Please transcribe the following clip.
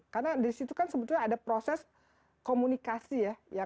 karena di situ kan sebetulnya ada proses komunikasi ya